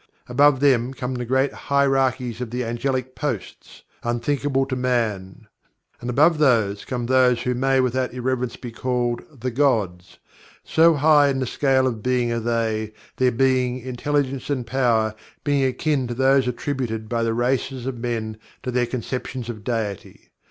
Above them come the Great Hierarchies of the Angelic Hosts, unthinkable to man; and above those come those who may without irreverence be called "The Gods," so high in the scale of Being are they, their being, intelligence and power being akin to those attributed by the races of men to their conceptions of Deity.